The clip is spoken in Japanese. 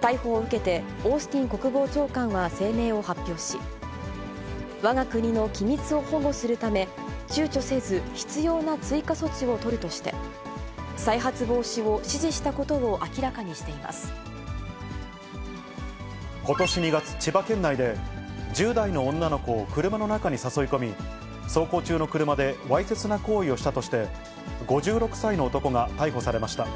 逮捕を受けて、オースティン国防長官は声明を発表し、わが国の機密を保護するため、ちゅうちょせず必要な追加措置を取るとして、再発防止を指示したことし２月、千葉県内で、１０代の女の子を車の中に誘い込み、走行中の車でわいせつな行為をしたとして、５６歳の男が逮捕されました。